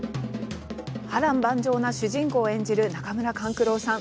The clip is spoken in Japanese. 波乱万丈な主人公を演じる中村勘九郎さん。